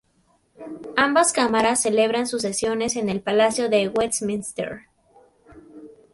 Ambas Cámaras celebran sus sesiones en el Palacio de Westminster.